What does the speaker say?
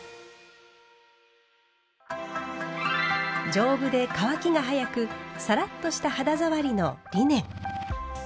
丈夫で乾きが早くサラッとした肌触りのリネン。